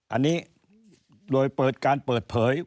อันนี้โดยเปิดการเปิดเผย